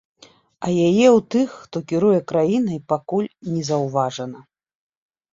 А яе ў тых, хто кіруе краінай, пакуль не заўважна.